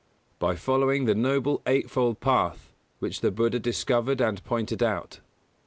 By following the Noble Eight fold Path which the Buddha discovered and pointed out.